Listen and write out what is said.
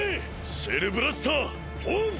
シェルブラスターオン！